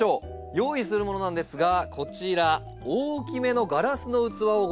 用意するものなんですがこちら大きめのガラスの器をご用意ください。